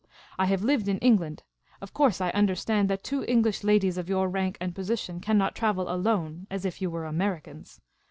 I have lived in England ; of course I understand that two English ladies of your rank and position cannot travel alone — as if you were Americans.